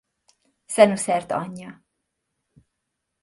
Szenuszert anyja.